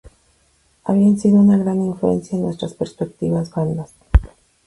Habían sido una gran influencia en nuestras respectivas bandas.